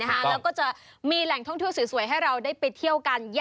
แล้วก็จะมีแหล่งท่องเที่ยวสวยให้เราได้ไปเที่ยวกัน